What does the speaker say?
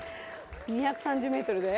２３０ｍで？